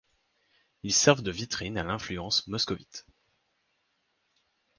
Ils servent de vitrine à l'influence moscovite.